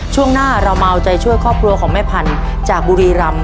ช่วงหน้าเรามาเอาใจช่วยครอบครัวของแม่พันธุ์จากบุรีรำ